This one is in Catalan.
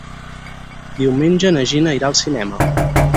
Diumenge na Gina irà al cinema.